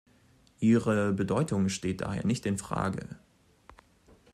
Ihre Bedeutung steht daher nicht in Frage.